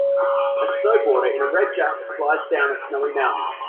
A snowboarder in a red jacket slides down a snowy mountain.